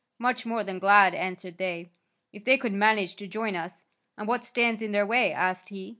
"Much more than glad," answered they; "if they could manage to join us." "And what stands in their way?" asked he.